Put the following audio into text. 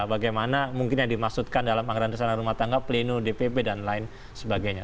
bagaimana mungkin yang dimaksudkan dalam anggaran dasar rumah tangga pleno dpp dan lain sebagainya